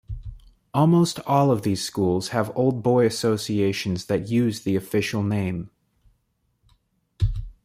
Almost all of these schools have old boy associations that use the official name.